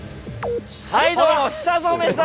はいどうも久染さん